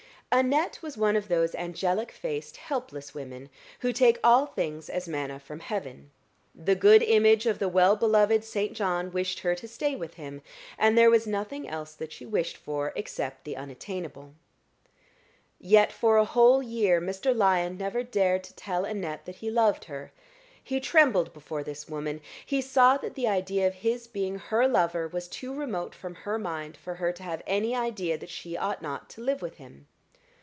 Annette was one of those angelic faced helpless women who take all things as manna from heaven: the good image of the well beloved Saint John wished her to stay with him, and there was nothing else that she wished for except the unattainable. Yet for a whole year Mr. Lyon never dared to tell Annette that he loved her: he trembled before this woman; he saw that the idea of his being her lover was too remote from her mind for her to have any idea that she ought not to live with him.